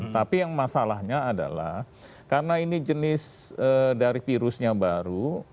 tapi yang masalahnya adalah karena ini jenis dari virusnya baru